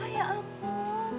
oh ya ampun